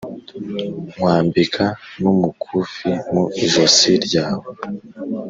nkwambika n’umukufi mu ijosi ryawe